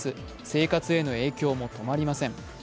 生活への影響も止まりません。